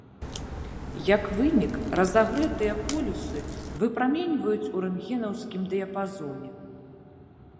Як вынік, разагрэтыя полюсы выпраменьваюць у рэнтгенаўскім дыяпазоне.